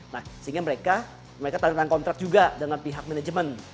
sehingga mereka tanda kontrak juga dengan pihak management